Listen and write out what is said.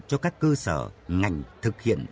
cho các cơ sở ngành thực hiện